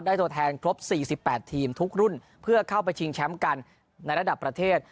ตัวแทนครบ๔๘ทีมทุกรุ่นเพื่อเข้าไปชิงแชมป์กันในระดับประเทศ